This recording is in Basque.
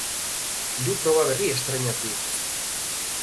Hiru proba berri estreinatu dituzte.